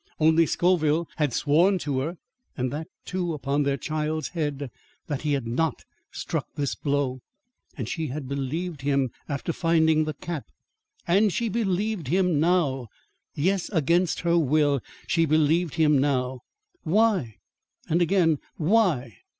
Only Scoville had sworn to her, and that, too, upon their child's head, that he had not struck this blow. And she had believed him after finding the cap; AND SHE BELIEVED HIM NOW. Yes, against her will, she believed him now. Why? and again, why?